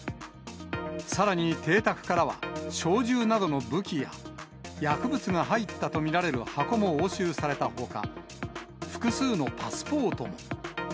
さらに邸宅からは、小銃などの武器や、薬物が入ったと見られる箱も押収されたほか、複数のパスポートも。